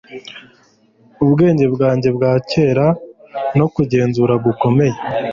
ubwenge bwanjye bwa kera, no kugenzura gukomeye